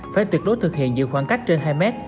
phải tuyệt đối thực hiện giữ khoảng cách trên hai mét